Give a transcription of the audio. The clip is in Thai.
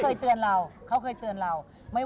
อยู่ในวงการบนเทิงนานไหม